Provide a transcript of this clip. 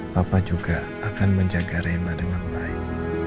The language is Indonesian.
papa juga akan menjaga rena dengan baik